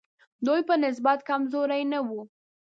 دوی په نسبت کمزوري نه وو.